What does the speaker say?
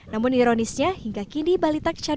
namun ironisnya hingga kini balita cenderung